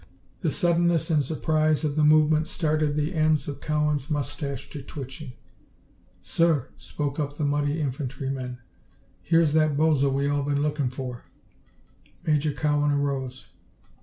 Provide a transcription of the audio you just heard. The suddenness and surprise of the movement started the ends of Cowan's moustache to twitching. "Sir," spoke up the muddy infantryman, "here's that bozo we all been lookin' for." Major Cowan arose.